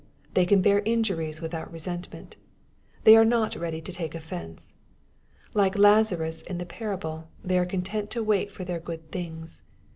They can bear injuries without resentment. They are not ready to take offence. Like Lazarus in the parable, they are content to wait for their good things.